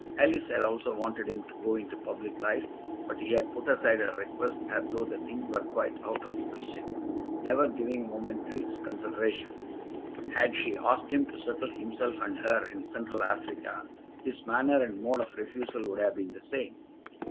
Alice had also wanted him to go into public life, but he had put aside her request as though the thing were quite out of the question, never giving a moment to its consideration. Had she asked him to settle himself and her in Central Africa, his manner and mode of refusal would have been the same.